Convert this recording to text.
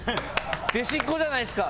弟子っ子じゃないですか。